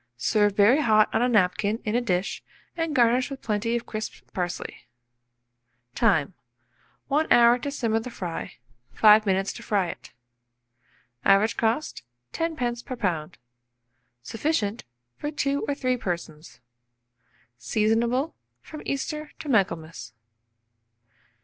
Serve very hot on a napkin in a dish, and garnish with plenty of crisped parsley. Time. 1 hour to simmer the fry, 5 minutes to fry it. Average cost, 10d. per lb. Sufficient for 2 or 3 persons. Seasonable from Easter to Michaelmas.